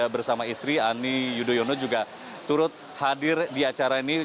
bersama istri ani yudhoyono juga turut hadir di acara ini